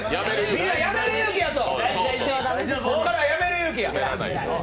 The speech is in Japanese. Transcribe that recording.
みんな、やめる勇気やぞ！